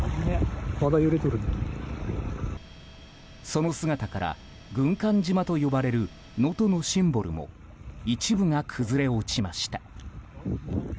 その姿から軍艦島とも呼ばれる能登のシンボルも一部が崩れ落ちました。